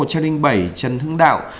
một trăm linh bảy trần hưng đạo